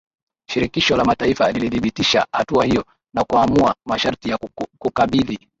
Shirikisho la Mataifa lilithibitisha hatua hiyo na kuamua masharti ya kukabidhi